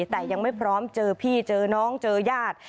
แต่ยังไม่พร้อมเจอพี่เจอน้องเจอญาติ